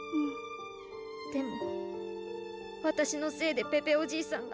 でもわたしのせいでペペおじいさんが！